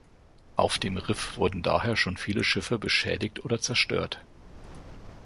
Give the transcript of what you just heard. Auf dem Riff wurden daher schon viele Schiffe beschädigt oder zerstört.